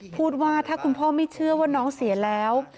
พูดว่าถ้าคุณพ่อไม่เชื่อว่าน้องเสียแล้ว